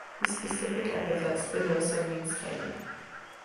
The specific epithet ("spinosa") means "spiny".